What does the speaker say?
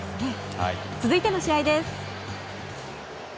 続いての試合です。